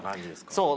そう。